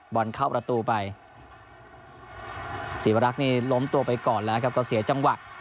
บอลเข้าประตูไปศรีวรักษ์นี่ล้มตัวไปก่อนแล้วครับก็เสียจังหวะ